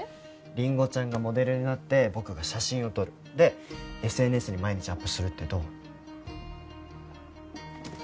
りんごちゃんがモデルになって僕が写真を撮るでＳＮＳに毎日アップするってどう？